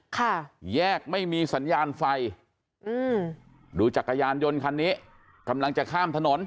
ค่ะแยกไม่มีสัญญาณไฟอืมดูจักรยานยนต์คันนี้กำลังจะข้ามถนน